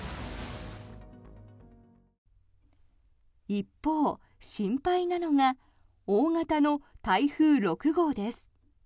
一方、心配なのが大型の台風６号です。